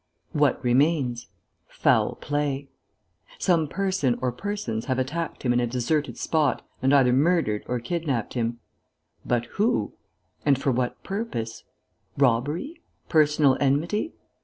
What remains? Foul play. Some person or persons have attacked him in a deserted spot and either murdered or kidnapped him. But who? And for what purpose? Robbery? Personal enmity?